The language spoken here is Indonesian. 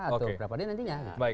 atau berapa ini nantinya